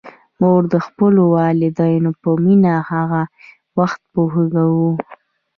موږ د خپلو والدینو په مینه هغه وخت پوهېږو.